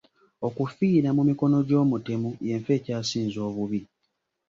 Okufiira mu mikono gy'omutemu y'enfa ekyasinze obubi.